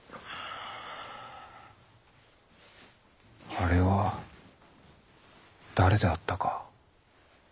あれは誰であったか。